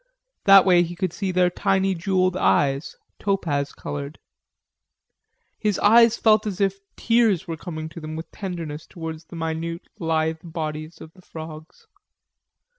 That way he could see their tiny jewelled eyes, topaz colored. His eyes felt as if tears were coming to them with tenderness towards the minute lithe bodies of the frogs.